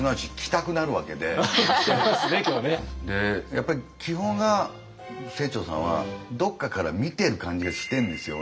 やっぱり基本が清張さんはどっかから見てる感じがしてんですよ